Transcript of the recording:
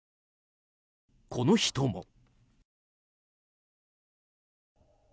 この人も。